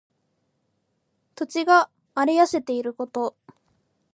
土地が荒れ痩せていること。